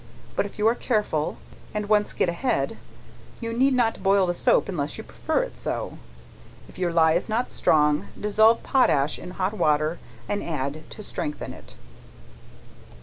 But if you are careful, and once get ahead, you need not boil the soap unless you prefer it so, if your ley is not strong, dissolve potash in hot water and add to strengthen it.